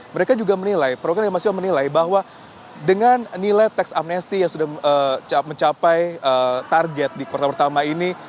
mereka juga menilai bahwa dengan nilai tax amnesty yang sudah mencapai target di kuartal pertama ini